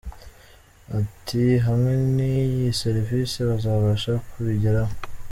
At “Hamwe n’iyi serivisi bazabasha kubigeraho.